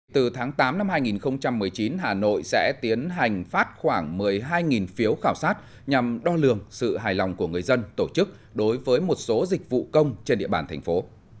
từ tháng tám năm hai nghìn một mươi chín hà nội sẽ tiến hành phát khoảng một mươi hai phiếu khảo sát nhằm đo lường sự hài lòng của người dân tổ chức đối với một số dịch vụ công trên địa bàn thành phố